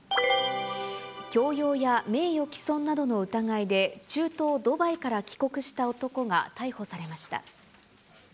強要や名誉毀損などの疑いで、中東ドバイから帰国した男が逮捕されました。